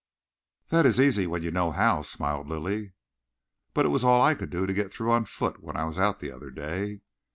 "That is easy when you know how," smiled Lilly. "But it was all I could do to get through on foot when I was out the other day."